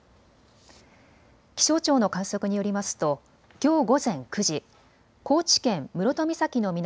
気象庁の観測によりますときょう午前９時、高知県室戸岬の南